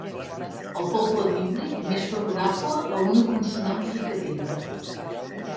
El poble bíblic més favorable a una consonant fricativa.